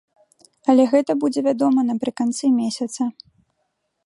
Але гэта будзе вядома напрыканцы месяца.